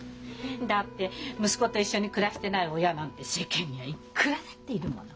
だって息子と一緒に暮らしてない親なんて世間にはいっくらだっているもの。